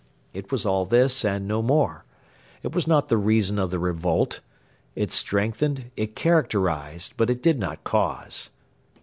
It was all this and no more. It was not the reason of the revolt. It strengthened, it characterised, but it did not cause.